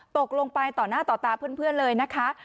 ตกลงไปต่อหน้าต่อตาเพื่อนเลยนะคะ